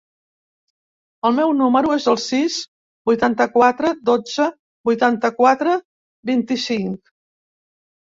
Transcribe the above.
El meu número es el sis, vuitanta-quatre, dotze, vuitanta-quatre, vint-i-cinc.